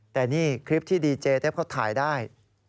แต่นี่คลิปที่ดีเจเตฟเขาถ่ายได้